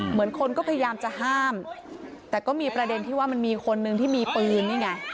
เหมือนคนก็พยายามจะห้ามแต่ก็มีประเด็นที่ว่ามันมีคนนึงที่มีปืนนี่ไง